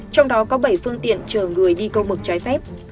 trong đó có bảy phương tiện chở người đi câu mực trái phép